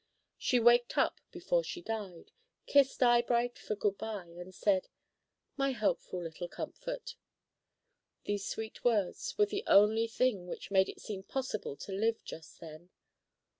She waked up before she died, kissed Eyebright for good by, and said, "My helpful little comfort." These sweet words were the one thing which made it seem possible to live just then.